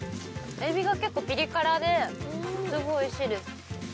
エビが結構ピリ辛ですごい美味しいです。